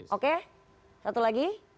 oke satu lagi